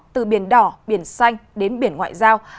từ biển đỏ biển xanh đến biển ngoại giao